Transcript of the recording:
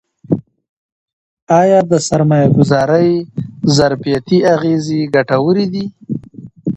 ايا د سرمايه ګذارۍ ظرفيتي اغېزې ګټورې دي؟